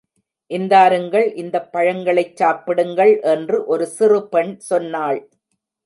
இந்தாருங்கள் இந்தப் பழங்களைச் சாப்பிடுங்கள் என்று ஒரு சிறு பெண் சொன்னாள்.